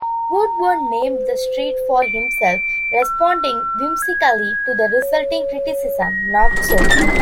Woodward named the street for himself, responding whimsically to the resulting criticism: Not so.